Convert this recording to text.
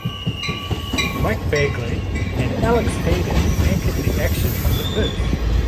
Mike Bagley and Alex Hayden anchored the action from the booth.